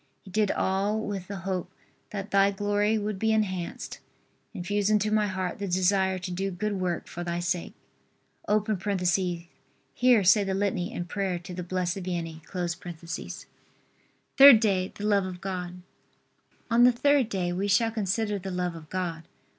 He did all with the hope that Thy glory would be enhanced. Infuse into my heart the desire to do good work for Thy sake. [Here say the litany and prayer to the Blessed Vianney.] THIRD DAY. THE LOVE OF GOD. On the third day we shall consider the love of God.